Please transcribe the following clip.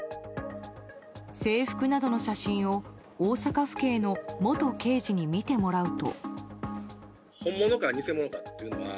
制服などの写真を大阪府警の元刑事に見てもらうと。